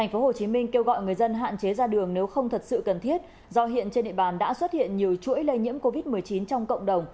tp hcm kêu gọi người dân hạn chế ra đường nếu không thật sự cần thiết do hiện trên địa bàn đã xuất hiện nhiều chuỗi lây nhiễm covid một mươi chín trong cộng đồng